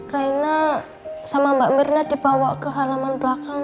raina sama mbak mirna dibawa ke halaman belakang